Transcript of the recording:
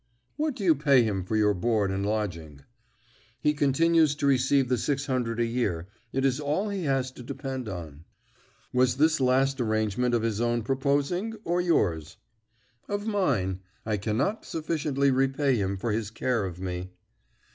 "What do you pay him for your board and lodging?" "He continues to receive the six hundred a year. It is all he has to depend on." "Was this last arrangement of his own proposing, or yours?" "Of mine. I cannot sufficiently repay him for his care of me."